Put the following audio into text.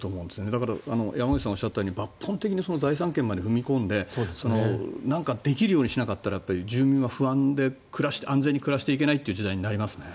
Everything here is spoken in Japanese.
だから、山口さんがおっしゃったように抜本的に財産権にまで踏み込んだ対策をしないと住民たちは安全に暮らしていけないという時代になりますね。